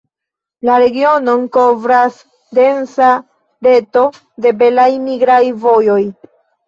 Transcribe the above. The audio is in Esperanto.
La regionon kovras densa reto de belaj migraj vojoj.